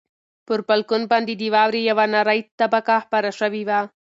پر بالکن باندې د واورې یوه نری طبقه خپره شوې وه.